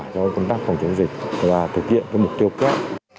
cho công tác phòng chống dịch và thực hiện với mục tiêu kết